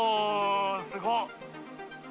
すごっ！